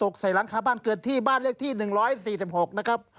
ใส่หลังคาบ้านเกิดที่บ้านเลขที่๑๔๖นะครับ